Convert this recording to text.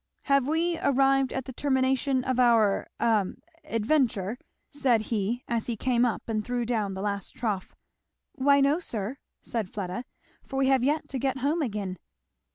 "Have we arrived at the termination of our a adventure?" said he as he came up and threw down the last trough. "Why no, sir," said Fleda, "for we have yet to get home again."